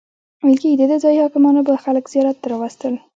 ویل کیږي دده ځایي حاکمانو به خلک زیارت ته راوستل.